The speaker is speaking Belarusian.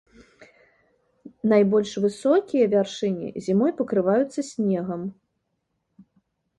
Найбольш высокія вяршыні зімой пакрываюцца снегам.